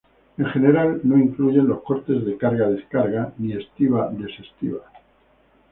En general, no incluyen los costes de carga-descarga ni estiba-desestiba.